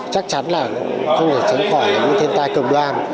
chắc chắn là không thể tránh khỏi những thiên tai cực đoan